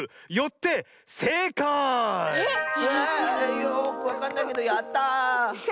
よくわかんないけどやった！